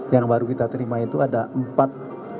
yang baru kita terima itu ada empat